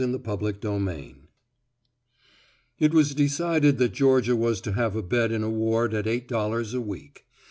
XVII THE LIGHT FLICKERS It was decided that Georgia was to have a bed in a ward at eight dollars a week.